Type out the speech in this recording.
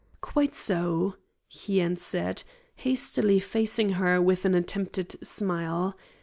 "Quite so," he answered, hastily facing her with an attempted smile.